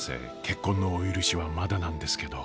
結婚のお許しはまだなんですけど！